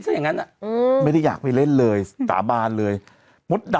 เป็นการกระตุ้นการไหลเวียนของเลือด